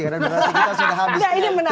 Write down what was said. karena durasi kita sudah habis